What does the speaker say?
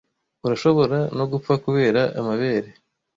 urashobora no gupfa kubera amabere